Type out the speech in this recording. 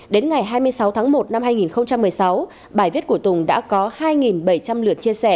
đến ngày hai mươi sáu tháng một năm hai nghìn một mươi sáu bài viết của tùng đã có hai bảy trăm linh lượt chia sẻ